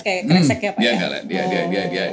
kayak keresek ya pak